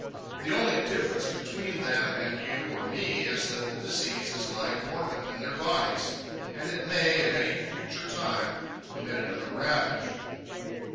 The only difference between them and you or me is that the disease is lying dormant in their bodies and may at any future time commit another ravage.